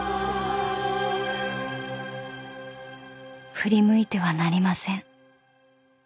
［振り向いてはなりません］